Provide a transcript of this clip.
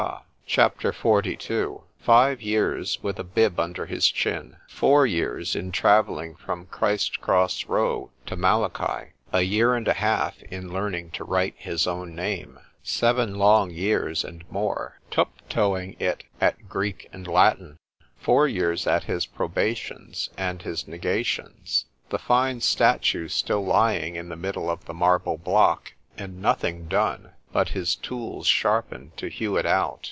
— C H A P. XLII ——FIVE years with a bib under his chin; Four years in travelling from Christ cross row to Malachi; A year and a half in learning to write his own name; Seven long years and more τυπιω ing it, at Greek and Latin; Four years at his probations and his negations—the fine statue still lying in the middle of the marble block,—and nothing done, but his tools sharpened to hew it out!